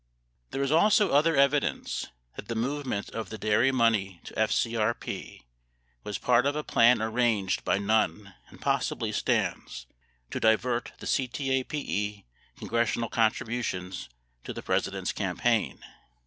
There is also other evidence that the movement of the dairy money to FCRP was part of a plan arranged by Nunn and possibly Stans to divert the CTAPE congressional contributions to the Presi dent's campaign.